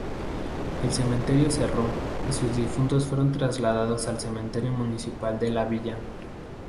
El cementerio cerró y sus difuntos fueron trasladados al cementerio municipal de la Villa.